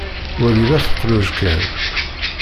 Wagi d afeqluj kan.